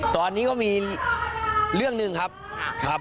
ตอนนี้ก็มีเรื่องหนึ่งครับ